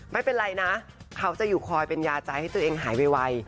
ไม่เป็นไรนะเขาจะอยู่คอยเป็นยาใจให้ตัวเองหายไว